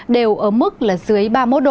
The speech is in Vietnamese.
đều ấm mức dưới